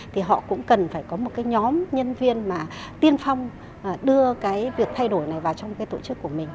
thì họ cũng cần phải có một nhóm nhân viên tiên phong đưa việc thay đổi này vào trong tổ chức này